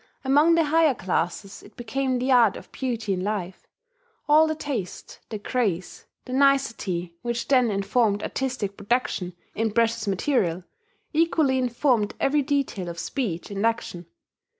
Among the higher classes it became the art of beauty in life. All the taste, the grace, the nicety which then informed artistic production in precious material, equally informed every detail of speech and action.